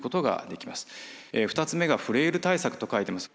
２つ目がフレイル対策と書いてます。